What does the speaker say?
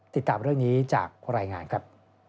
ติดตามเรื่องนี้จากรายงานครับ